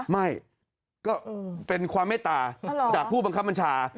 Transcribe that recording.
ไม่ก็เป็นความเมตตาจากผู้บังคับบัญชา